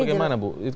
kalau saya sih